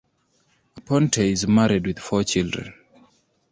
Aponte is married with four children.